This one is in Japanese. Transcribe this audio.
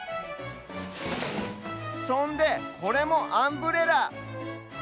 そんでこれもアンブレラ！